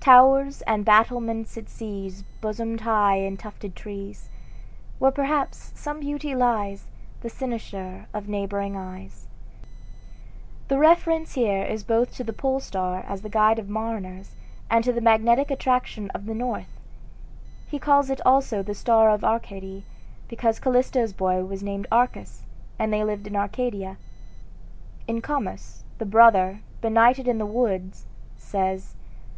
Towers and battlements it sees Bosomed high in tufted trees, Where perhaps some beauty lies The Cynosure of neighboring eyes" The reference here is both to the Pole star as the guide of mariners, and to the magnetic attraction of the North He calls it also the "Star of Arcady," because Callisto's boy was named Arcas, and they lived in Arcadia. In "Comus," the brother, benighted in the woods, says